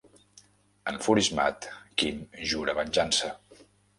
Enfurismat, Kim jura venjança.